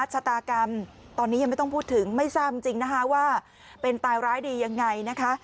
ชะตากรรมตอนนี้ยังไม่ต้องพูดถึงไม่ทราบจริงนะคะว่าเป็นตายร้ายดียังไงนะคะ